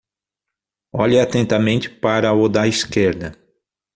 Olhe atentamente para o da esquerda.